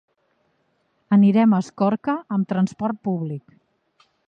Anirem a Escorca amb transport públic.